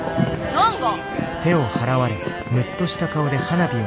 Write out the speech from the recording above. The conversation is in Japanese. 何が。